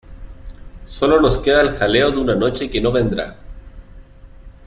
Sólo nos queda el jaleo de una noche que no vendrá.